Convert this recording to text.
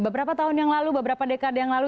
beberapa tahun yang lalu beberapa dekade yang lalu